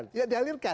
tidak dialir kan